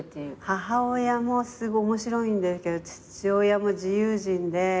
母親もすごい面白いんですけど父親も自由人で。